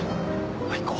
行こう。